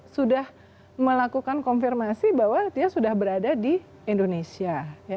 sudah melakukan konfirmasi bahwa dia sudah berada di indonesia